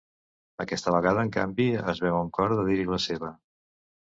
Aquesta vegada, en canvi, es veu amb cor de dir-hi la seva.